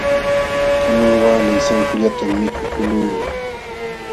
Kanan waalay sankullatam mikukuqluu.